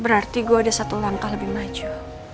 berarti gue ada satu langkah lebih maju